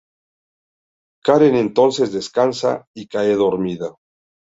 Karen entonces descansa y cae dormida.